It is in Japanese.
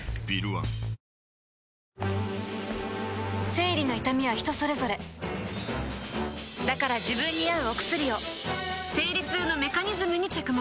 生理の痛みは人それぞれだから自分に合うお薬を生理痛のメカニズムに着目